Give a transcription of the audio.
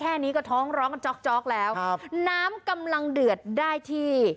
แค่นี้ก็ท้องร้องจ๊อกแล้วน้ำกำลังเดือดได้ที